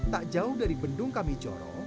tak jauh dari bendung kamijoro